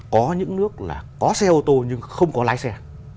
có những nước là có xe ô tô nhưng không có lái xe